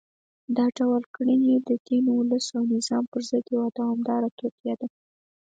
دا ډول کړنې د دین، ولس او نظام پر ضد یوه دوامداره توطیه ده